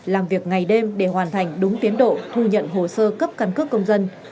làm việc ngày đêm để hoàn thành đúng tiến độ thu nhận hồ sơ cấp căn cước công dân